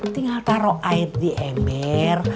tinggal taruh air di ember